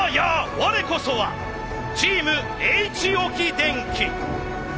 我こそはチームＨ置電機。